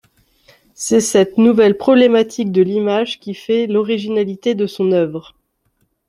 C'est cette nouvelle problématique de l'image qui fait l'originalité de son œuvre.